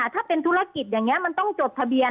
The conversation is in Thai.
ถ้าเป็นธุรกิจอย่างนี้มันต้องจดทะเบียน